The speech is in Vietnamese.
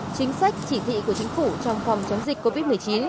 chính sách chỉ thị của chính phủ trong phòng chống dịch covid một mươi chín